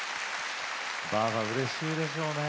ばあば、うれしいでしょうね